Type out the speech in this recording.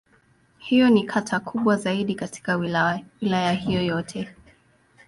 Hivyo ni kata kubwa zaidi katika Wilaya hiyo yote.